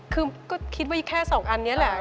คือก็คิดว่าแค่๒อันนี้แหละ